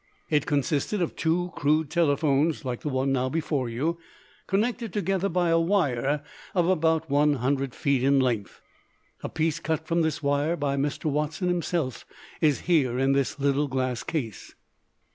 It consisted of two crude telephones like the one now before you, connected together by a wire of about one hundred feet in length. A piece cut from this wire by Mr. Watson himself is here in this little glass case.